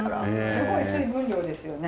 すごい水分量ですよね。